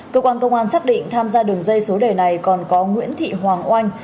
cơ quan công an xác định tham gia đường dây số đề này còn có nguyễn thị hoàng oanh